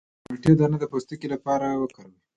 د مالټې دانه د پوستکي لپاره وکاروئ